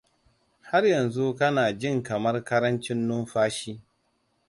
har yanzu kana jin kamar karancin numfashi